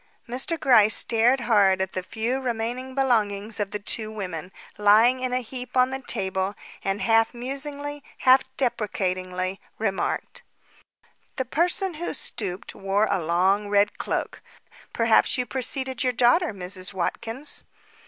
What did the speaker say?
Mr. Gryce stared hard at the few remaining belongings of the two women, lying in a heap on the table, and half musingly, half deprecatingly, remarked: "The person who stooped wore a long red cloak. Probably you preceded your daughter, Mrs. Watkins."